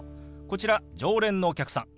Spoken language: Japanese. こちら常連のお客さん。